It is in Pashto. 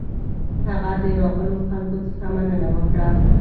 هغه د راغلو خلکو څخه مننه وکړه.